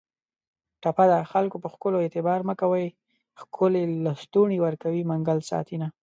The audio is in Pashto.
ټپه ده: خکلو په ښکلو اعتبار مه کوی ښکلي لستوڼي ورکوي منګل ساتینه